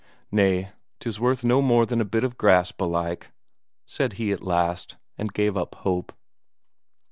"Nay, 'tis worth no more than a bit of grass, belike," said he at last, and gave up hope.